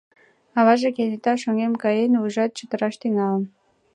Аваже кенета шоҥгем каен, вуйжат чытыраш тӱҥалын.